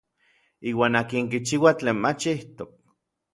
Iuan akin kichiua tlen mach ijtok.